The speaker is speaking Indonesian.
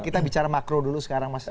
kita bicara makro dulu sekarang mas